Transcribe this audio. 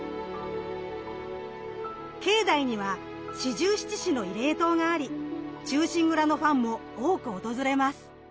境内には四十七士の慰霊塔があり忠臣蔵のファンも多く訪れます。